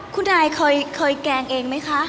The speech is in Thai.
คุณอายเคยแกล้งเองไหมคะ